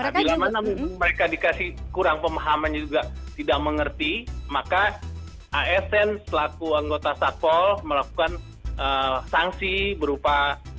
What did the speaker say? nah bila mana mereka dikasih kurang pemahamannya juga tidak mengerti maka asn selaku anggota satpol melakukan sanksi berupa